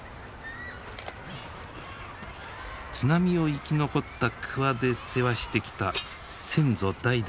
津波を生き残った鍬で世話してきた先祖代々の土。